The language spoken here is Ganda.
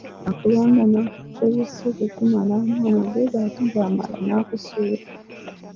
Akulonda n’akukozesa okukumalamu amagezi ate bw’amala n’akusuula.